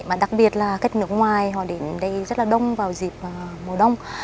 mà đặc biệt là khất nước ngoài họ đến đây rất là đông vào dịp mùa đông